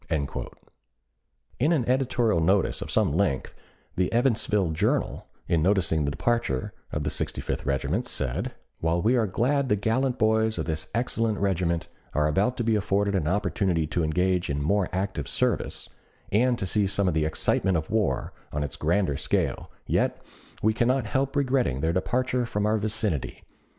In an editorial notice of some length the "Evansville Journal," in noticing the departure of the Sixty fifth Regiment, said: While we are glad the gallant boys of this excellent regiment are about to be afforded an opportunity to engage in more active service, and to see some of the excitement of war on its grander scale, yet we cannot help regretting their departure from our vicinity.